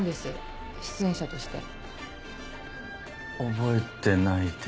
覚えてないです。